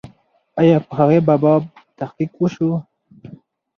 آیا په هغې باب تحقیق و سو؟